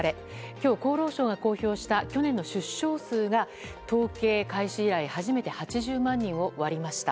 今日、厚労省が公表した去年の出生数が統計開始以来初めて８０万人を割りました。